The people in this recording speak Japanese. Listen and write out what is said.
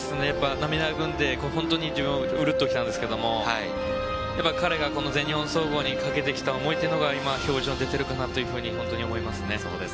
涙ぐんで自分もうるっときたんですが彼が全日本総合にかけてきた思いというのが今、表情に出ているのかなと思います。